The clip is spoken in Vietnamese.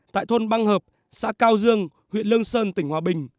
tại thôn băng hợp xã cao dương huyện lương sơn tỉnh hòa bình